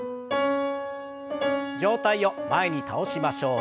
上体を前に倒しましょう。